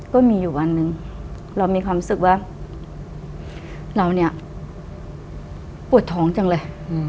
ก็มีอยู่วันหนึ่งเรามีความรู้สึกว่าเราเนี่ยปวดท้องจังเลย